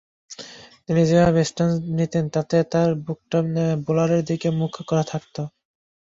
তিনি যেভাবে স্ট্যান্স নিতেন, তাতে তাঁর বুকটা বোলারের দিকে মুখ করা থাকত।